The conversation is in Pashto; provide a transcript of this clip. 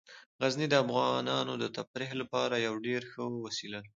غزني د افغانانو د تفریح لپاره یوه ډیره ښه وسیله ده.